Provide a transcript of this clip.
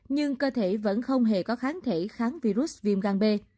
nhưng cơ thể vẫn không hề có kháng thể kháng virus viêm gan b